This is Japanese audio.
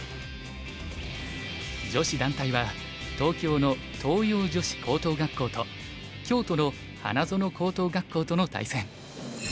女子団体は東京の東洋女子高等学校と京都の花園高等学校との対戦。